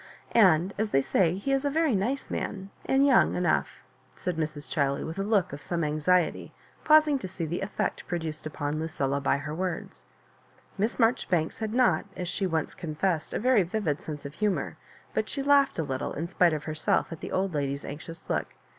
And they say he is a very nice man; and young — enough," Digitized by VjOOQIC 48 MISS KARJOBIBANKS said Mrs. Cbiley, with a look of some anxiety, pausing to see the effect produced upon LudUa by her words. Miss Marjoribanks bad not, as she once con fessed, a very vivid sense of humour, but she laughed a little, in spite of herself at the old lady^s anxious look.